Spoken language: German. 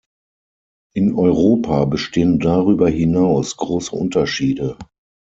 In Europa bestehen darüber hinaus große Unterschiede.